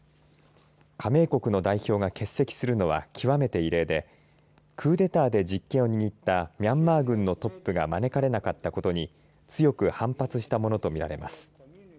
加盟国の代表が欠席するのは極めて異例でクーデターで実権を握ったミャンマー軍のトップが招かれなかったことに強く反発したものとみられます。